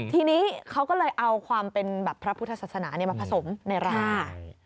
ทีนี้เขาก็เลยเอาความเป็นแบบพระพุทธศาสนามาผสมในรา